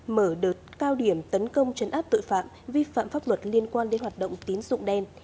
mở đợt cao điểm tấn công chấn áp tội phạm vi phạm pháp luật liên quan đến hoạt động tín dụng đen